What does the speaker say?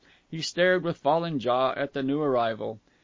He stared with fallen jaw at the new arrival.